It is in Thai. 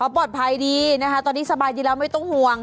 ปลอดภัยดีนะคะตอนนี้สบายดีแล้วไม่ต้องห่วง